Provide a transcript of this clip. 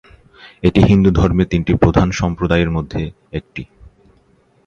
এটি হিন্দু ধর্মের তিনটি প্রধান সম্প্রদায়ের মধ্যে একটি।